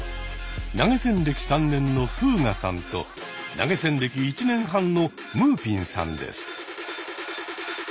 投げ銭歴３年のフーガさんと投げ銭歴１年半のむーぴんさんです。